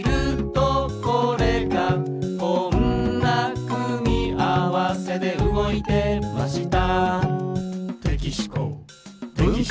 「こんな組み合わせで動いてました」